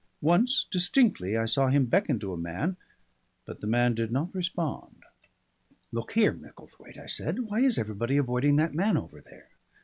Once distinctly I saw him beckon to a man, but the man did not respond. "Look here, Micklethwaite," I said, "why is everybody avoiding that man over there?